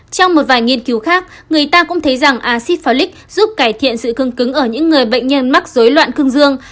trong một vài nghiên cứu khác người ta cũng thấy rằng acid folic giúp cải thiện sự cưng cứng ở những người bệnh nhân mắc dối loạn cưng dương